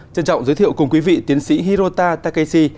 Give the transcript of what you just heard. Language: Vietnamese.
trân trọng giới thiệu cùng quý vị tiến sĩ hirota takeshi